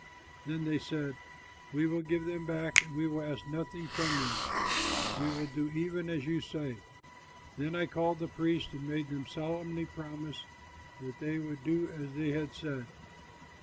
Then they said, "We will give them back and will ask nothing from them; we will do even as you say." Then I called the priests and made them solemnly promise that they would do as they had said.